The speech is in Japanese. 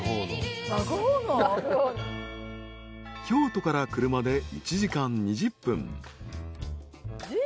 ［京都から車で１時間２０分］